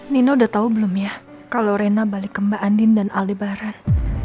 nino udah tahu belum ya kalau rena balik ke mbak andin dan aldebaran